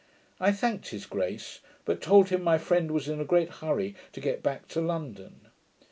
I thanked his grace; but told him, my friend was in a great hurry to get back to London.